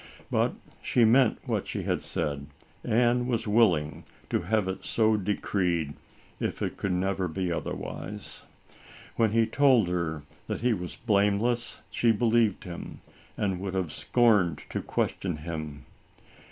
But she meant what she had said, and was wil ling to have it so decreed, if it could never be otherwise. When he told her that he was blame less, she believed him, and would have scorned to question him.